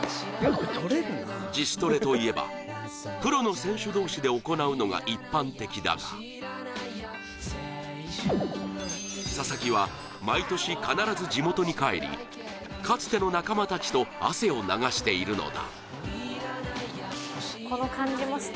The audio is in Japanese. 自主トレといえば、プロの選手同士で行うのが一般的だが佐々木は毎年、必ず地元に帰りかつての仲間たちと汗を流しているのだ。